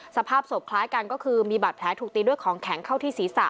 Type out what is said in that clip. สภาพศพคล้ายกันก็คือมีบาดแผลถูกตีด้วยของแข็งเข้าที่ศีรษะ